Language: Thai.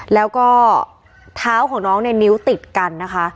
แล้วก็เท้าของน้องเนี่ยนิ้วติดกันนะคะ